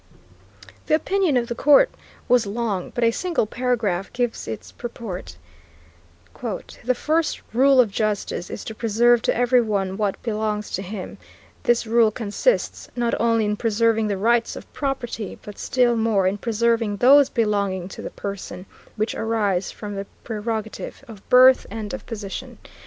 The opinion of the court was long, but a single paragraph gives its purport: "The first rule of justice is to preserve to every one what belongs to him: this rule consists, not only in preserving the rights of property, but still more in preserving those belonging to the person, which arise from the prerogative of birth and of position....